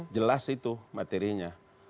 jelas itu materinya